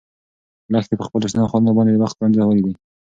لښتې په خپلو شنو خالونو باندې د وخت ګونځې ولیدې.